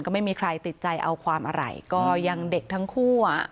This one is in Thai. ก็ไม่มีใครติดใจเอาความอะไรก็ยังเด็กทั้งคู่อ่ะ